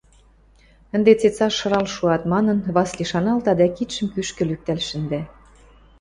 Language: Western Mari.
«Ӹнде цецаш шырал шуат», – манын, Васли шаналта дӓ кидшӹм кӱшкӹ лӱктӓл шӹндӓ.